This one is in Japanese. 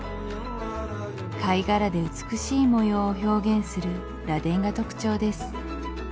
貝殻で美しい模様を表現する螺鈿が特徴です